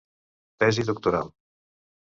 Tesi doctoral.